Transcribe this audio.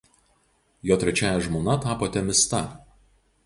Jo trečiąja žmona tapo Temista.